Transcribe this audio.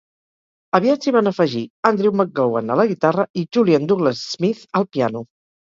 Aviat s'hi va afegir Andrew McGowan a la guitarra i Julian Douglas-Smith al piano.